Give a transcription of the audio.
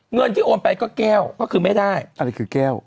เงินที่โอนไปก็แก้วก็คือไม่ได้อะไรคือแก้ว